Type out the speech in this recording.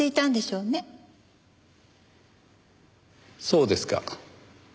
そうですか。